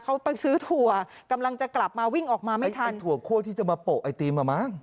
เขาไปซื้อถั่วกำลังจะกลับมาวิ่งออกมาไม่ได้ทานไอ้ถั่วคั่วที่จะมาโปะไอติมอ่ะมั้ง